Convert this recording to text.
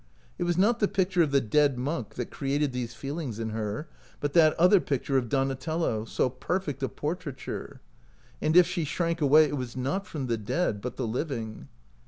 It was not the picture of the dead monk that created these* feelings in her, but that other picture of Donatello, so perfect a portraiture ; and if "7 OUT OF BOHEMIA she shrank away, it was not from the dead, but the living.